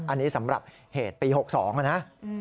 อันนี้สำหรับเหตุปี๖๒นะ